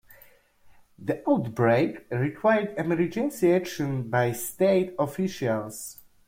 The outbreak required emergency action by state officials.